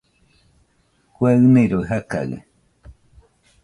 Kue ɨniroi jakaɨe